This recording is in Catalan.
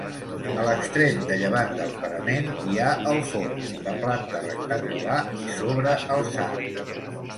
A l'extrem de llevant del parament hi ha el forn, de planta rectangular i sobrealçat.